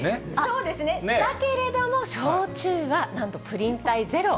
そうですね、だけれども、焼酎はなんとプリン体ゼロ。